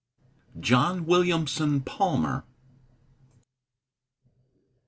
JOHN WILLIAMSON PALMER.